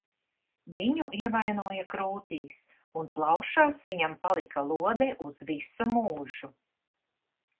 Viņu ievainoja krūtīs un plaušās viņam palika lode uz visu mūžu.